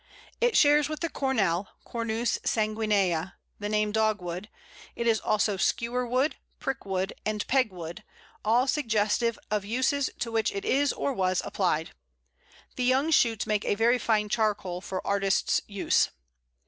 It shares with the Cornel (Cornus sanguinea) the name Dogwood; it is also Skewerwood, Prickwood, and Pegwood, all suggestive of uses to which it is or was applied. The young shoots make a very fine charcoal for artists' use.